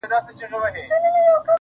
پرده به خود نو، گناه خوره سي